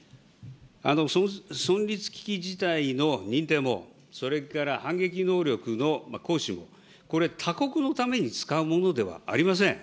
存立危機事態の認定も、それから反撃能力の行使も、これ、他国のために使うものではありません。